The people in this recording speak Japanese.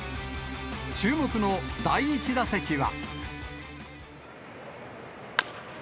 注目の第１打席は。